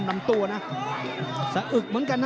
ส่วนคู่ต่อไปของกาวสีมือเจ้าระเข้ยวนะครับขอบคุณด้วย